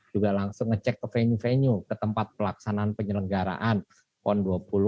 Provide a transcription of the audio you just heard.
juga langsung ngecek ke venue venue ke tempat pelaksanaan penyelenggaraan pon dua puluh